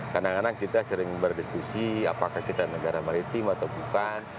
kadang kadang kita sering berdiskusi apakah kita negara maritim atau bukan